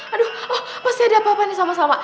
aduh pasti ada apa apaan nih sama salma